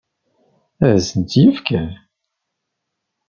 Ad asent-tt-yefk?